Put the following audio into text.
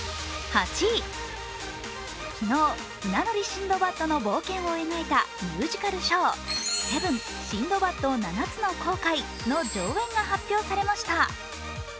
昨日「船乗りシンドバッドの冒険」を描いたミュージカルショー「ＳＥＶＥＮ−シンドバッド７つの航海−」の上演が発表されました。